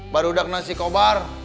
barudak nasi kobar